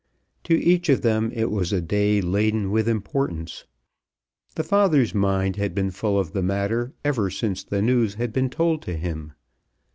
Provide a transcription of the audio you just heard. To each of them it was a day laden with importance. The father's mind had been full of the matter ever since the news had been told to him.